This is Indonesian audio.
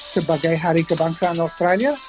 sebagai hari kebangsaan australia